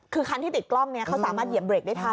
คือคันที่ติดกล้องนี้เขาสามารถเหยียบเรกได้ทัน